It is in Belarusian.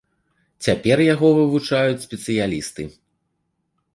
Цяпер яго вывучаюць спецыялісты.